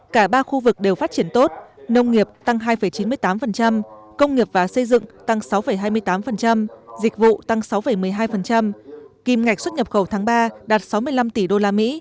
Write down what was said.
cả ba khu vực đều phát triển tốt nông nghiệp tăng hai chín mươi tám công nghiệp và xây dựng tăng sáu hai mươi tám dịch vụ tăng sáu một mươi hai kìm ngạch xuất nhập khẩu tháng ba đạt sáu mươi năm tỷ usd